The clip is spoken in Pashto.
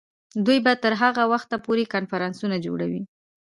دوی به تر هغه وخته پورې کنفرانسونه جوړوي.